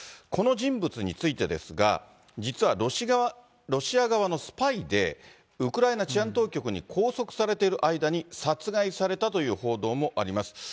この人物についてですが、実はロシア側のスパイで、ウクライナ治安当局に拘束されている間に殺害されたという報道もあります。